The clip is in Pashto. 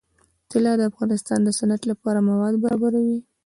طلا د افغانستان د صنعت لپاره مواد برابروي.